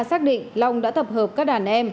xác định long đã thập hợp các đàn em